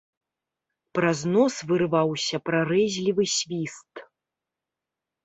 Праз нос вырываўся прарэзлівы свіст.